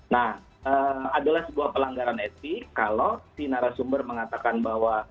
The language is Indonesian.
nah adalah sebuah pelanggaran etik kalau si narasumber mengatakan bahwa